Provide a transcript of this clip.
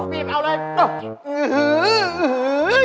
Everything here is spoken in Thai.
บีบเอาเลย